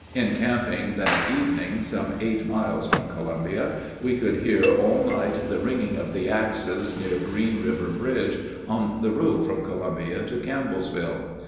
Encamping that evening some eight miles from Columbia, we could hear all night the ringing of the axes near Green River bridge, on the road from Columbia to Campbellsville.